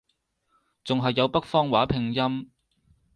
仲係有北方話拼音